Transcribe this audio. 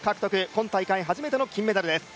今大会初めての金メダルです。